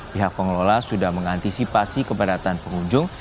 pihak pengelola sudah mengantisipasi keberatan pengunjung